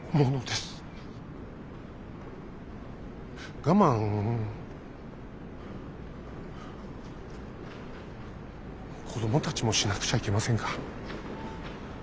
我慢子供たちもしなくちゃいけませんか？